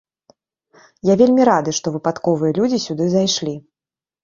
Я вельмі рады, што выпадковыя людзі сюды зайшлі.